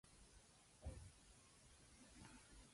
Kravitz wanted to be a session musician.